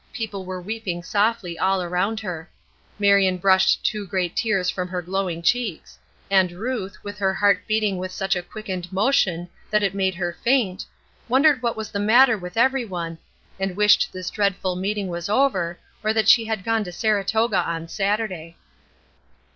People were weeping softly all around her. Marion brushed two great tears from her glowing cheeks, and Ruth, with her heart beating with such a quickened motion that it made her faint, wondered what was the matter with every one, and wished this dreadful meeting was over, or that she had gone to Saratoga on Saturday.